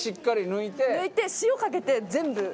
抜いて塩かけて全部。